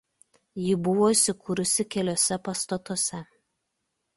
Ji buvo įsikūrusi keliuose pastatuose.